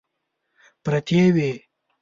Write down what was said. پرتې وې.